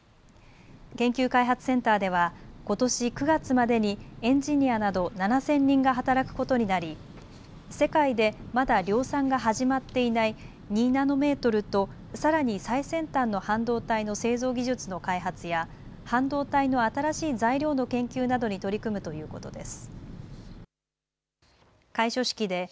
研究開発センターではことし９月までにエンジニアなど７０００人が働くことになり世界でまだ量産が始まっていない２ナノメートルとさらに最先端の半導体の製造技術の開発や半導体の新しい材料の研究などに取り組むということです。